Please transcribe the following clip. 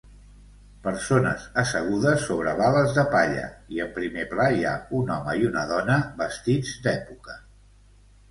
Persones assegudes sobre bales de palla i en primer pla hi ha un home i una dona vestits d'època.